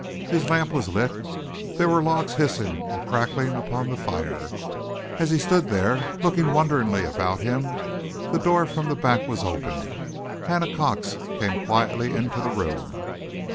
His lamp was lit, there were logs hissing and crackling upon the fire. As he stood there looking wonderingly about him, the door from the back was opened. Hannah Cox came quietly into the room.